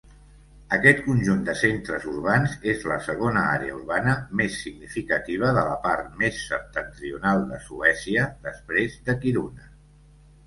Aquest conjunt de centres urbans és la segona àrea urbana més significativa de la part més septentrional de Suècia després de Kiruna.